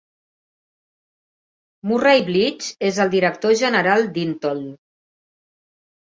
Murray Bleach és el director general d"Intoll.